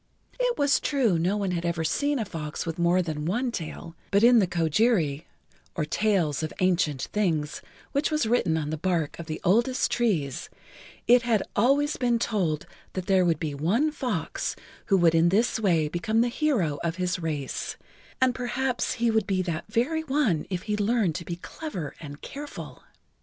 It was true no one had ever seen a fox with more than one tail, but in the Kojiri, or Tails of Ancient Things, which was written on the bark of the oldest trees, it had always been told that there would be one fox who would in this way become the hero of his race, and perhaps he would be that very one if he learned to be clever and careful.